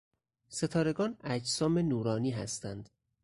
ستارگان اجسام نورانی هستند.